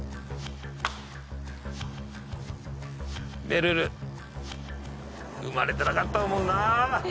めるる生まれてなかったもんな。